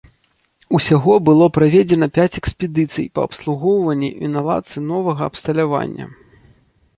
Усяго было праведзена пяць экспедыцый па абслугоўванні і наладцы новага абсталявання.